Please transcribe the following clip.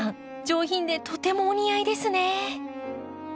上品でとてもお似合いですね。